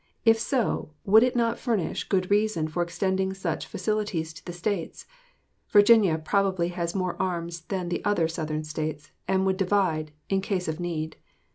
If so, would it not furnish good reason for extending such facilities to the States? Virginia probably has more arms than the other Southern States, and would divide, in case of need.